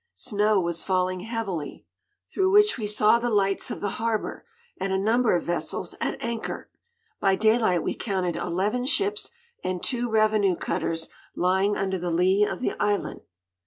Snow was falling heavily through which we saw the lights of the harbor, and a number of vessels at anchor. By daylight we counted eleven ships and two revenue cutters lying under the lee of the island.